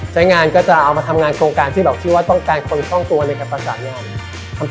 แจ้งงานก็จะเอามาทำงานโครงการที่ต้องการคนช่องตัวในการประจำงาน